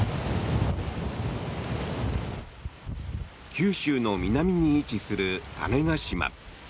九州の南に位置する種子島。